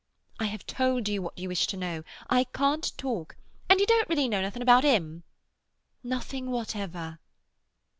"I have told you what you wish to know. I can't talk—" "And you don't really know nothing about him?" "Nothing whatever."